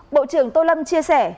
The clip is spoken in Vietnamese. bộ trưởng tô lâm chỉ cho biết